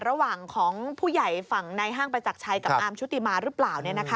ระหว่างของผู้ใหญ่ฝั่งในห้างประจักรชัยกับอาร์มชุติมาหรือเปล่า